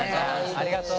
ありがとう。